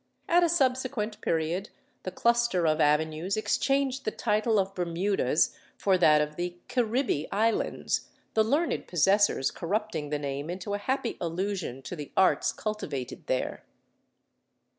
At a subsequent period the cluster of avenues exchanged the title of Bermudas for that of the C'ribbee Islands, the learned possessors corrupting the name into a happy allusion to the arts cultivated there.